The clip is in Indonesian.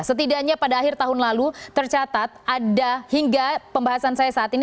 setidaknya pada akhir tahun lalu tercatat ada hingga pembahasan saya saat ini